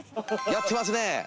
やってますね。